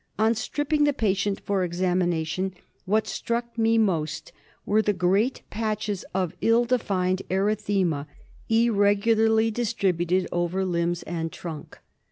On stripping the patient for examination, what struck me most were the great patches of ill defined erythema irregularly dis tributed over limbs and trunk.